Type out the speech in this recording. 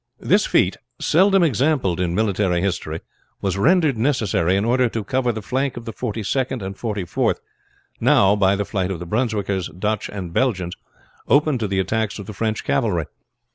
This feat, seldom exampled in military history, was rendered necessary in order to cover the flank of the Forty second and Forty fourth, now, by the flight of the Brunswickers, Dutch, and Belgians, open to the attacks of the French cavalry.